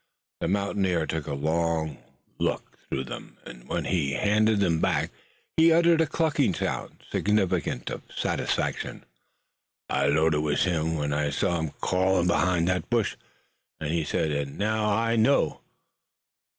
The mountaineer took a long look through them, and when he handed them back he uttered a clucking sound, significant of satisfaction. "I 'lowed it was him, when I saw him crawlin' behind that bush," he said, "an' now I know."